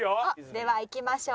ではいきましょう。